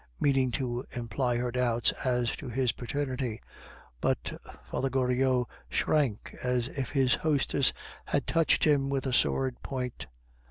meaning to imply her doubts as to his paternity; but Father Goriot shrank as if his hostess had touched him with a sword point.